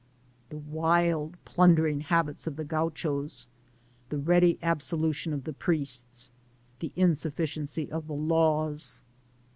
The wild, plundering habits of the Gauchos — ^the ready absolution of the priests — the insufficiency of the laws.